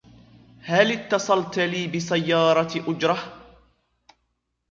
هلّ أتصلت لي بسيارة أجرة؟